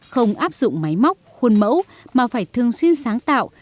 không áp dụng máy móc khuôn mẫu mà phải thường xuyên sáng tạo